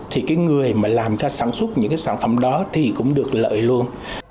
thì cái người mà làm ra sản xuất những cái sản phẩm đó thì cũng được lợi luôn